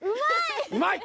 うまい！